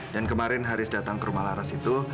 dan kemarin haris datang ke rumah laras itu